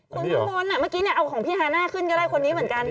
เมื่อกี้เนี่ยเอาของพี่ฮานะขึ้นก็ได้คนนี้เหมือนกัน